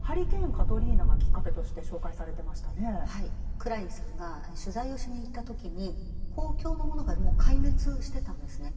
クラインさんが取材をしに行った時に公共のものがもう壊滅してたんですね。